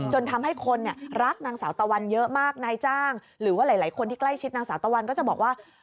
จนทำให้คนรักนางสาวตะวันเยอะมากนายจ้างหรือว่าหลายคนที่ใกล้ชิดนางสาวตะวันก็จะบอกว่า